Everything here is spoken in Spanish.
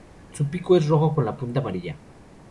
Su pico es rojo con la punta amarilla.